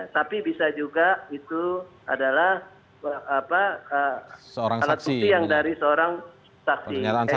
tapi bisa juga itu adalah alat bukti yang dari seorang saksi